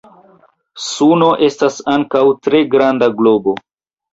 Suno estas ankaŭ tre granda globo.